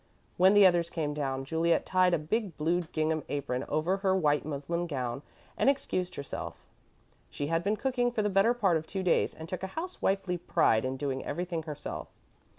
When the others came down, Juliet tied a big blue gingham apron over her white muslin gown and excused herself. She had been cooking for the better part of two days and took a housewifely pride in doing everything herself.